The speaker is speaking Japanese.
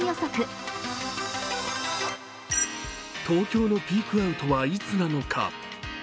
東京のピークアウトは、いつなのか？